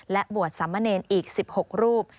และบวชสามเณรอีก๑๖รูป